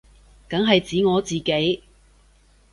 梗係指我自己